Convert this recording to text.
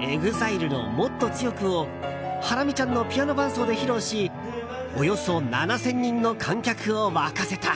ＥＸＩＬＥの「もっと強く」をハラミちゃんのピアノ伴奏で披露しおよそ７０００人の観客を沸かせた。